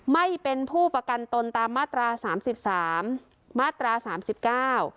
ไม่เป็นผู้ประกันตนตามมาตราสามสิบสามมาตราสามสิบเก้า